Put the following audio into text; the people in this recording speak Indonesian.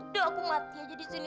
hmm udah udah ku mati aja disini